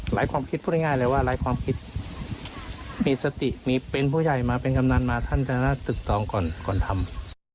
ความคิดพูดง่ายเลยว่าหลายความคิดมีสติมีเป็นผู้ใหญ่มาเป็นกำนันมาท่านชนะศึกสองก่อนก่อนทำ